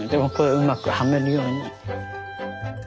うまくはめるように。